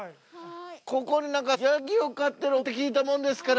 ここで何かヤギを飼ってるって聞いたもんですから。